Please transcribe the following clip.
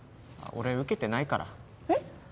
俺受けてないからえっ